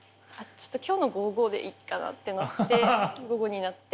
ちょっと今日の午後でいっかなってなって午後になって。